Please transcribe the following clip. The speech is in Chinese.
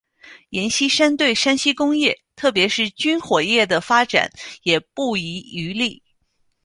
阎锡山对山西工业特别是军火业的发展也不遗余力。